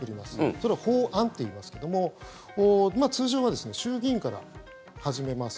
それを法案といいますけども通常は衆議院から始めます。